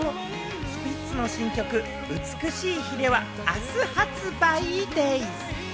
スピッツの新曲『美しい鰭』は明日発売でぃす。